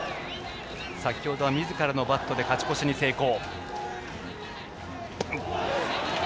先程はみずからのバットで勝ち越しに成功。